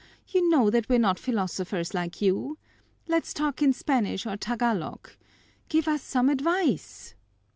You know that we're not philosophers like you. Let's talk in Spanish or Tagalog. Give us some advice."